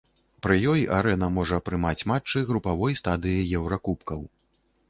Пры ёй арэна можа прымаць матчы групавой стадыі еўракубкаў.